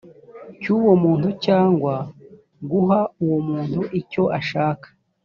cy uwo muntu cyangwa guha uwo muntu icyo ashaka